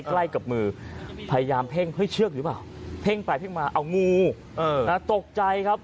ใกล้กับมือพยายามเพ่งเฮ้ยเชือกหรือเปล่าเพ่งไปเพ่งมาเอางูตกใจครับ